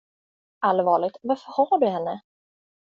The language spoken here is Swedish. Allvarligt, varför har du henne?